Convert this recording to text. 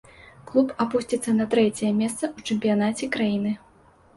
Клуб апусціцца на трэцяе месца ў чэмпіянаце краіны.